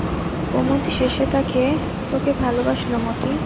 কুমুদ শেষে তোকে ভালোবাসল মতি?